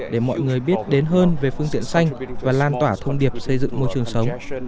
để mọi người biết đến hơn về phương tiện xanh và lan tỏa thông điệp xây dựng môi trường sống